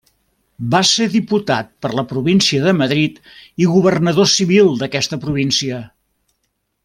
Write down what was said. Va ser diputat per la província de Madrid i governador civil d'aquesta província.